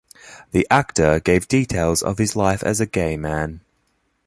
The actor gave details of his life as a gay man.